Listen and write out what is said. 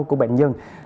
của bệnh nhân